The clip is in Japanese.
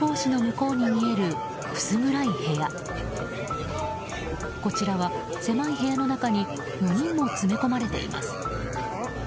こちらは狭い部屋の中に４人も詰め込まれています。